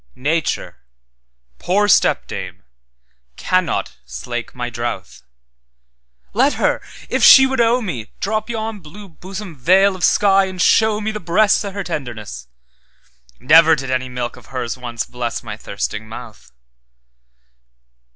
Nature, poor stepdame, cannot slake my drouth; Let her, if she would owe me, Drop yon blue bosom veil of sky, and show meThe breasts o' her tenderness:Never did any milk of hers once blessMy thirsting mouth.